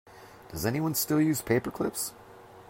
Does anyone still use paper clips?